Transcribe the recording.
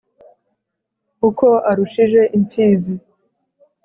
uko arushije imfizi